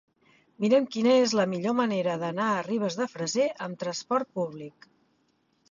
Mira'm quina és la millor manera d'anar a Ribes de Freser amb trasport públic.